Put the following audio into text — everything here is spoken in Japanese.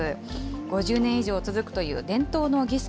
５０年以上続くという伝統の儀式。